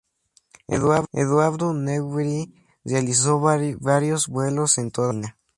Eduardo Newbery realizó varios vuelos en toda Argentina.